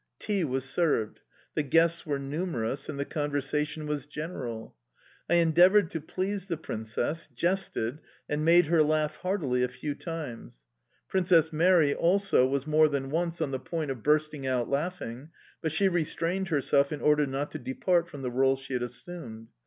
Tea was served. The guests were numerous, and the conversation was general. I endeavoured to please the Princess, jested, and made her laugh heartily a few times. Princess Mary, also, was more than once on the point of bursting out laughing, but she restrained herself in order not to depart from the role she had assumed.